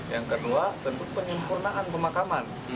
yang kedua tentu penyempurnaan pemakaman